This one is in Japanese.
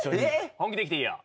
本気できていいよ。